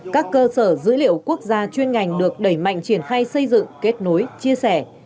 các cơ sở dữ liệu quốc gia chuyên ngành được đẩy mạnh triển khai xây dựng kết nối chia sẻ